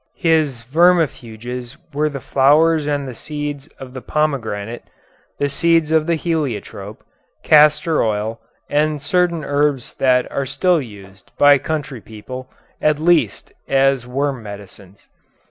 His vermifuges were the flowers and the seeds of the pomegranate, the seeds of the heliotrope, castor oil, and certain herbs that are still used, by country people, at least, as worm medicines.